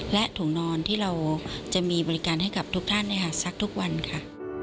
และถุงนอนที่เราจะมีบริการให้กับทุกท่านซักทุกวันค่ะ